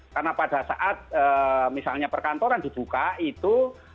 karena pada saat misalnya perkantoran dibuka itu